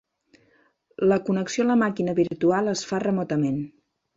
La connexió a la màquina virtual es fa remotament.